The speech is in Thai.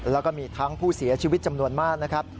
แล้วก็มีทั้งผู้เสียชีวิตจำนวนมากนะครับ